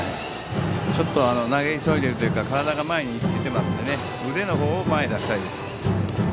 ちょっと投げ急いでいるというか体が前に出ていますので腕の方を前に出したいです。